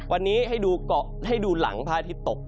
วันนี้ให้ดูหลังพระอาทิตย์ตก